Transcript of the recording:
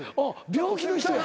病気の人や。